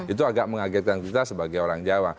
itu agak mengagetkan kita sebagai orang jawa